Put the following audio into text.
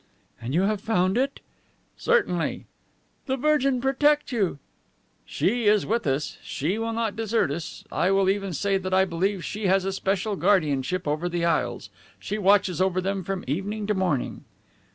"And you have found it?" "Certainly." "The Virgin protect you!" "SHE is with us. She will not desert us. I will even say that I believe she has a special guardianship over the Isles. She watches over them from evening to morning."